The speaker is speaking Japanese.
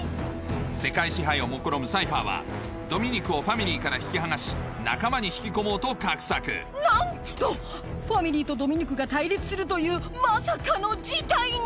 世界支配をもくろむサイファーはドミニクをファミリーから引き剥がし仲間に引き込もうと画策なんとファミリーとドミニクが対立するというまさかの事態に！